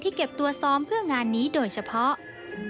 เก็บตัวซ้อมเพื่องานนี้โดยเฉพาะ